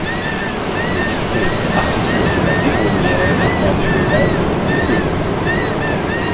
Le vicomte Arthur de La Guéronnière en est le membre le plus connu.